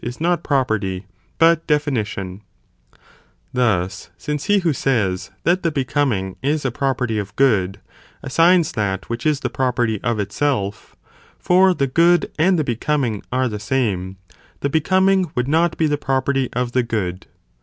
cats not property, but definition; thus, since he who says that the becoming, is a property of good, assigns that which is the property of itself, (for the good and the becoming are the same, ) the becoming, would not be the property of the good.